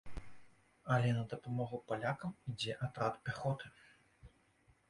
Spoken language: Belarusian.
Але на дапамогу палякам ідзе атрад пяхоты.